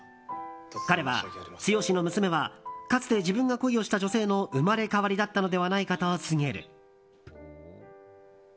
彼は、堅の娘はかつて自分が恋をした女性の生まれ変わりだったのではないかと告げる。